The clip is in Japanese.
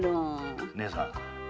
姉さん。